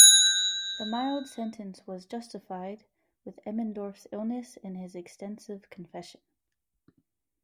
The mild sentence was justified with Immendorff's illness and his extensive confession.